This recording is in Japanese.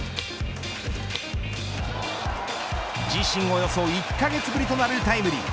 自身およそ１カ月ぶりとなるタイムリー。